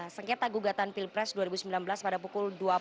seketa gugatan pilpres untuk mencari keamanan di jalan raya medan merdeka barat